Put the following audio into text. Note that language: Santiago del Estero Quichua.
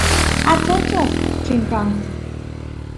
achachas chinkanku